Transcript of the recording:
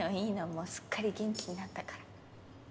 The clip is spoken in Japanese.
もうすっかり元気になったから。